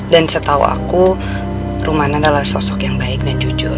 dan setau aku rumana adalah sosok yang baik dan jujur